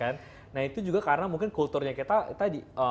nah itu juga karena mungkin kulturnya kita tadi